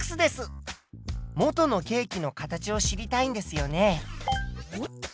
元のケーキの形を知りたいんですよね？